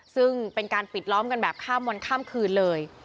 ซึ่งเป็นการปิดล้อมกันแบบข้ามวันข้ามคืนเลย